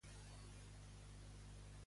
Què va fundar Hemó en aquesta llegenda?